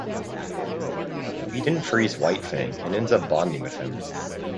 Weedon frees White Fang and ends up bonding with him.